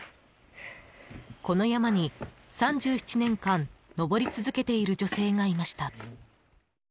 この山に、３７年間登り続けている女性がいました。